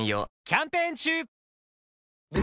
キャンペーン中！